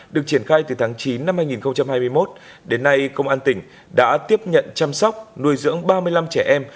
được triển khai từ tháng chín năm hai nghìn hai mươi một đến nay công an tỉnh đã tiếp nhận chăm sóc nuôi dưỡng ba mươi năm trẻ em